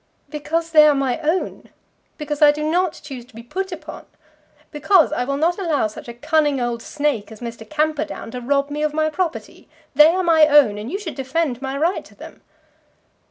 "Because they are my own. Because I do not choose to be put upon. Because I will not allow such a cunning old snake as Mr. Camperdown to rob me of my property. They are my own, and you should defend my right to them."